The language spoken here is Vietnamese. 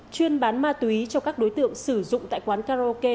chuyên bán ma túy cho các đối tượng sử dụng tại quán karaoke